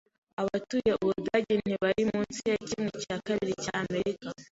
Abatuye Ubudage ntibari munsi ya kimwe cya kabiri cy’Amerika.